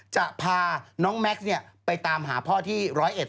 จะพาน้องแม็กซ์ไปตามหาพ่อที่ร้อยเอ็ด